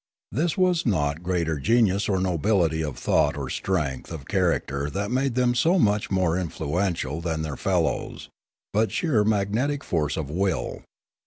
It was not greater genius or nobility of thought or strength of character that made them so much more influential than their fellows, but sheer magnetic force of will.